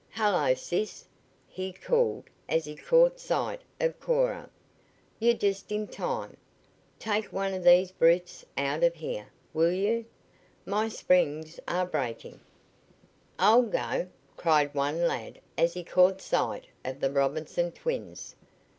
"Hello, sis!" he called as he caught sight of Cora. "You're just in time. Take one of these brutes out of here, will you? My springs are breaking." "I'll go!" cried one lad as he caught sight of the Robinson twins.